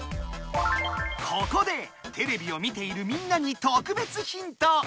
ここでテレビを見ているみんなにとくべつヒント！